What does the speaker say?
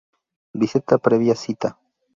Visita previa cita.